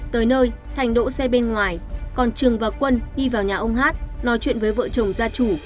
tới nơi thành đỗ xe bên ngoài còn trường và quân đi vào nhà ông hát nói chuyện với vợ chồng gia chủ